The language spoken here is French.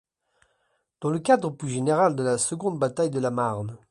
Dans le cadre plus général de la seconde bataille de la Marne.